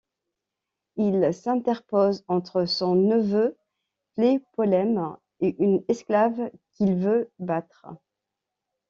Il s'interpose entre son neveu Tlépolème et une esclave qu'il veut battre.